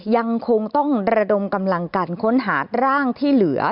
ยังคงต้องระดมกำลังกันค้นหาร่างที่เหลือ